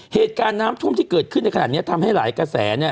เหตุการณ์น้ำท่วมที่เกิดขึ้นในขณะนี้ทำให้หลายกระแสเนี่ย